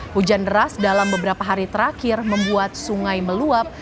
hujan deras dalam beberapa hari terakhir membuat sungai meluap